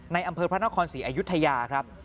อำเภอพระนครศรีอยุธยาครับ